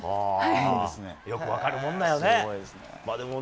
よく分かるもんだよね。